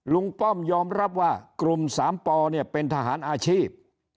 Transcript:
ป้อมยอมรับว่ากลุ่มสามปเนี่ยเป็นทหารอาชีพ